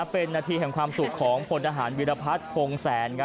เป็นนาทีในความสุขของคนอาหารบิรพัดผงแซน